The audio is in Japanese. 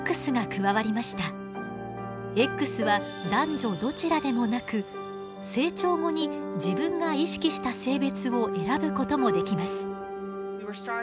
Ｘは男女どちらでもなく成長後に自分が意識した性別を選ぶこともできます。